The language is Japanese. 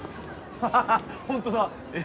ハハハホントだえ？